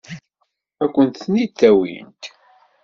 Ad kent-tent-id-awint?